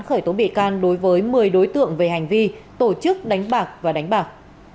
khởi tố bị can đối với một mươi đối tượng về hành vi tổ chức đánh bạc và đánh bạc